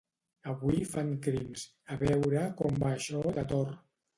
Avui fan Crims, a veure com va això de Tor